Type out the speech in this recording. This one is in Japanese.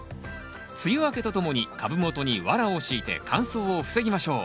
梅雨明けとともに株元にワラを敷いて乾燥を防ぎましょう。